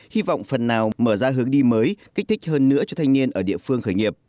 hy vọng phần nào mở ra hướng đi mới kích thích hơn nữa cho thanh niên ở địa phương khởi nghiệp